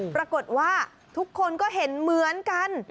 ปรากฏว่าทุกคนก็เห็นเหมือนกัน